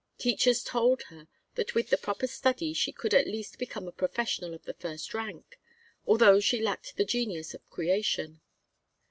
Teachers told her that with the proper study she could at least become a professional of the first rank, although she lacked the genius of creation.